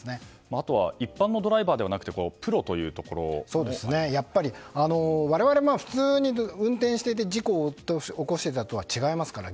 あとは一般のドライバーではなく我々、普通に運転していて事故を起こしたとは違いますから。